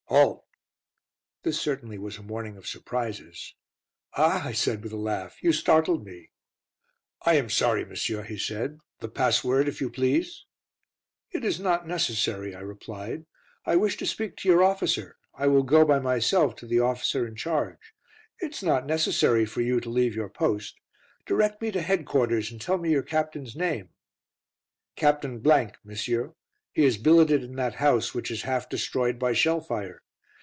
"Halt!" This certainly was a morning of surprises. "Ah," I said, with a laugh, "you startled me." "I am sorry, monsieur," he said. "The password, if you please?" "It is not necessary," I replied. "I wish to speak to your officer. I will go by myself to the officer in charge, it is not necessary for you to leave your post. Direct me to Headquarters, and tell me your captain's name." "Captain , monsieur. He is billeted in that house which is half destroyed by shell fire.